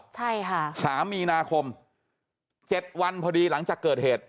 ใช่ค่ะสามมีนาคมเจ็ดวันพอดีหลังจากเกิดเหตุ